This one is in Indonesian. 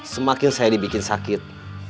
semakin saya dibikin sakit